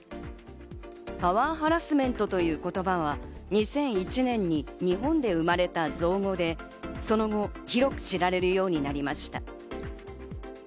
パワーハラスメントという言葉は２００１年に日本で生まれた造語で、その後、広く知られるようになりました。